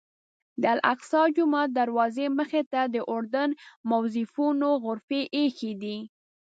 د الاقصی جومات دروازې مخې ته د اردن موظفینو غرفې ایښي دي.